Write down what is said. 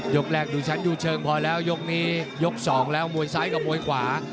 แรกดูชั้นดูเชิงพอแล้วยกนี้ยกสองแล้วมวยซ้ายกับมวยขวา